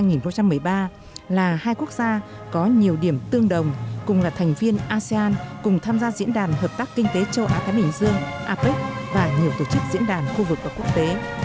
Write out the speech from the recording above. indonesia là hai quốc gia có nhiều điểm tương đồng cùng là thành viên asean cùng tham gia diễn đàn hợp tác kinh tế châu á thái bình dương apec và nhiều tổ chức diễn đàn khu vực và quốc tế